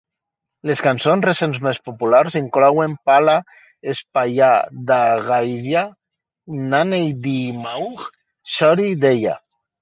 Les cançons recents més populars inclouen "Pala Shpaiya Dogarya", "Manney di Mauj" i "Shhori Deya".